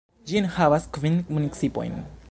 Ĝi enhavas kvin municipojn.